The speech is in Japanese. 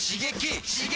刺激！